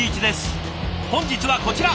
本日はこちら。